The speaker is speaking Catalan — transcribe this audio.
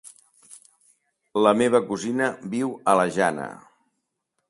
La meva cosina viu a la Jana.